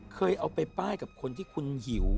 เคยเอาไปป้ายกับคนที่คุณหิว